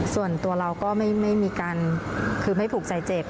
ส่วนตัวเราก็ไม่มีการคือไม่ผูกใจเจ็บ